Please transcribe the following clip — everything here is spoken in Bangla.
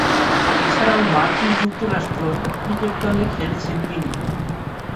এছাড়াও মার্কিন যুক্তরাষ্ট্র ক্রিকেট দলে খেলেছেন তিনি।